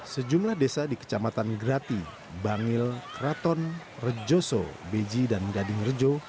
sejumlah desa di kecamatan grati bangil kraton rejoso beji dan gading rejo